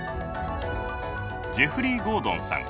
ジェフリー・ゴードンさん。